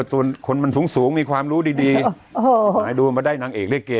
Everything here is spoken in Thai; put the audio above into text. คนมันสูงสูงมีความรู้ดีดีโอ้โหดูมาได้นางเอกลิเก